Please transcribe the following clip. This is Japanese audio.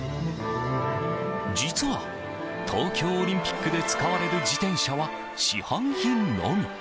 実は、東京オリンピックで使われる自転車は市販品のみ。